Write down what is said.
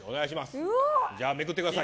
じゃあめくってください！